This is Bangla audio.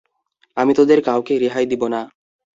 আমি তোদের কাউকে রেহাই দিব না।